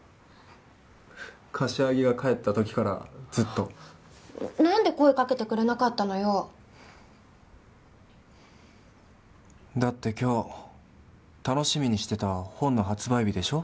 柏木が帰った時からずっとなんで声かけてくれなかったのよだって今日楽しみにしてた本の発売日でしょ